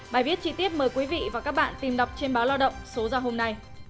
bài viết trí tiếp mời quý vị và các bạn tìm đọc trên báo lo động số ra hôm nay